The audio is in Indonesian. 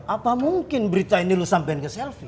apa mungkin berita ini lu sampein ke selfie